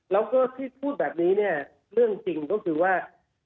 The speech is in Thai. แล้วก็ที่พูดแบบนี้เนี่ยเรื่องจริงก็คือว่า